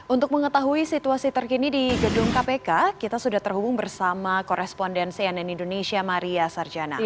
untuk mengetahui situasi terkini di gedung kpk kita sudah terhubung bersama koresponden cnn indonesia maria sarjana